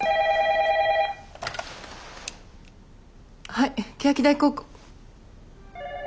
☎はい欅台高校。